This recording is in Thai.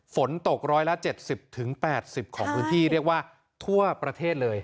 ฝนตกร้อยละเจ็ดสิบถึงแปดสิบของพื้นที่เรียกว่าทั่วประเทศเลย